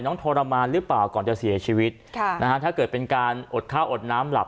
ทรมานหรือเปล่าก่อนจะเสียชีวิตค่ะนะฮะถ้าเกิดเป็นการอดข้าวอดน้ำหลับ